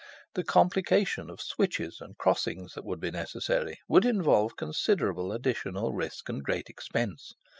The complication of switches and crossings that would be necessary would involve considerable additional risk and great expense.